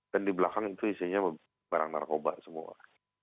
dan di belakang itu isinya barang narkoba semua